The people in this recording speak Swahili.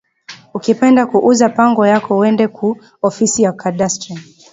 Uki penda ku uza pango yako wende ku ofisi ya cadastre